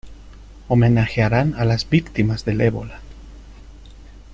¡Homenajearán a las víctimas del ébola!